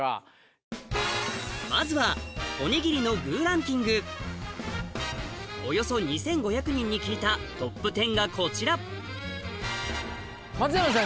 まずはおよそ２５００人に聞いたトップ１０がこちら松山さん